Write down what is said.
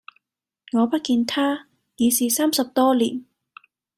我不見他，已是三十多年；